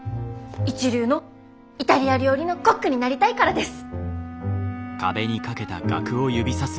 一流のイタリア料理のコックになりたいからです！